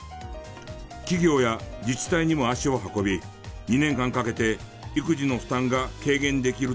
企業や自治体にも足を運び２年間かけて育児の負担が軽減できると熱弁。